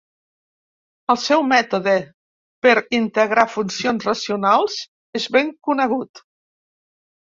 El seu mètode per integrar funcions racionals és ben conegut.